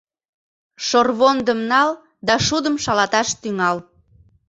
Шорвондым нал да шудым шалаташ тӱҥал.